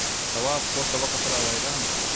تواب پورته وکتل او حیران شو.